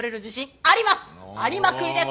ありまくりです！